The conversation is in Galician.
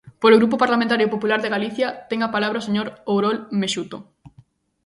Polo Grupo Parlamentario Popular de Galicia, ten a palabra o señor Ourol Mexuto.